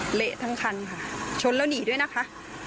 เหละทั้งคันค่ะชนแล้วหนีด้วยนะคะ